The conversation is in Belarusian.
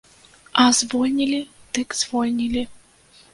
А звольнілі, дык звольнілі!